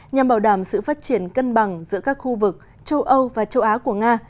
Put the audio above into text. nhằm bảo đảm sự phát triển cân bằng giữa các khu vực châu âu và châu á của nga